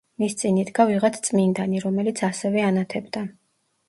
მის წინ იდგა ვიღაც წმინდანი, რომელიც ასევე ანათებდა.